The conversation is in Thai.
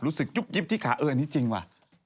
ยุบยิบที่ขาเอออันนี้จริงว่ะ